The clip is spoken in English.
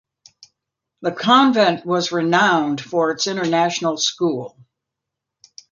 The convent was renowned for its international school.